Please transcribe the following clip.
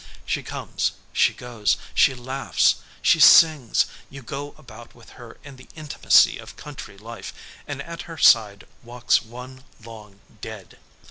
She comes, she goes, she laughs, she sings, you go about with her in the intimacy of country life, and at her side walks one long dead.